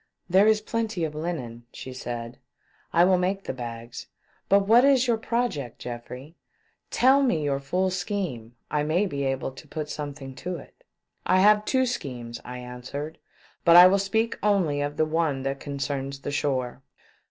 " There is plenty of linen," said she. " I will make the bags. But what is your pro ject, Geoffrey ? Tell me your full scheme — I may be able to put something to it." " I have two schemes," I answered :" but I will speak only of the one that concerns the shore.